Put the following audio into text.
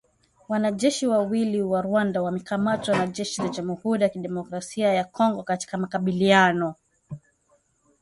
Wanajeshi wawili wa Rwanda wamekamatwa na jeshi la Jamuhuri ya Kidemokrasia ya Kongo katika makabiliano